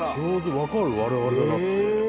分かる我々だって。